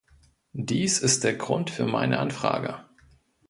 Dies ist der Grund für meine Anfrage.